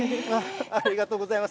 ありがとうございます。